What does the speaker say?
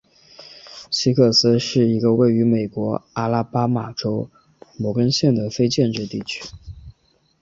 西克斯威是一个位于美国阿拉巴马州摩根县的非建制地区。